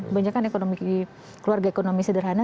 kebanyakan ekonomi keluarga ekonomi sederhana